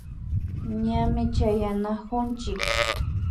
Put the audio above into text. Ñami chayanakunchik